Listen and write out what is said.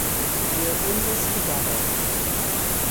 We’re In This Together!